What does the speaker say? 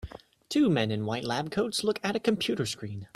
Two men in white lab coats look at a computer screen